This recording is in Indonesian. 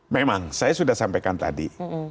memang saya sudah sampaikan tadi